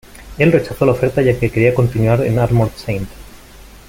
Él rechazó la oferta ya que quería continuar en Armored Saint.